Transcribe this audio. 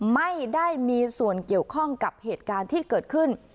ไม่ได้มีส่วนเกี่ยวข้องกับเหตุการณ์ที่เกิดขึ้น